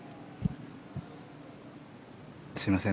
すみません